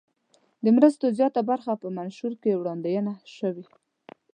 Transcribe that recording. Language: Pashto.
د مرستو زیاته برخه په منشور کې وړاندوینه شوې.